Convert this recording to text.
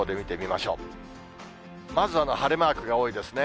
まず晴れマークが多いですね。